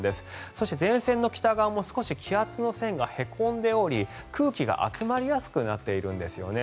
そして、前線の北側も気圧の線がへこんでおり空気が集まりやすくなっているんですよね。